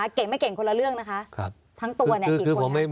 ไม่เก่งไม่เก่งคนละเรื่องนะคะครับทั้งตัวเนี่ยคือคือผมไม่